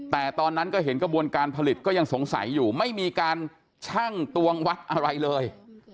แต่ตอนนั้นก็เห็นกระบวนการผลิตก็ยังสงสัยอยู่ไม่มีการชั่งตวงวัดอะไรเลย